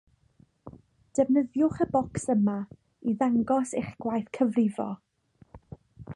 Defnyddiwch y bocs yma i ddangos eich gwaith cyfrifo